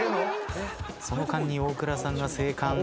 その間に大倉さんが生還。